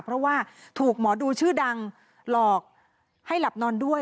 เพราะว่าถูกหมอดูชื่อดังหลอกให้หลับนอนด้วย